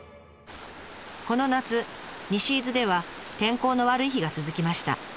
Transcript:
この夏西伊豆では天候の悪い日が続きました。